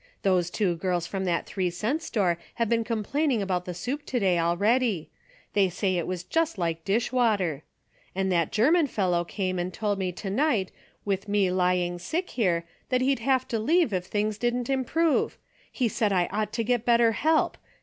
Those two girls from, that three cent store have been complaining about the soup to day already. They say it was just like dish water. And that German fellow came and told me to night, with me lying sick here, that he'd have to leave if things didn't improve. He said I ought to get better help